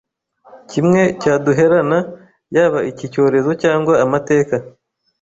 kimwe cyaduherana yaba iki cyorezo cyangwa amateka